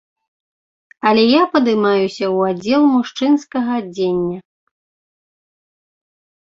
Але я падымаюся ў аддзел мужчынскага адзення.